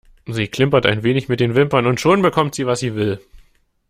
Sie klimpert ein wenig mit den Wimpern und schon bekommt sie, was sie will.